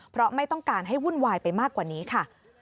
เพราะไม่ต้องการให้วุ่นวายไปมากกว่านี้ค่ะ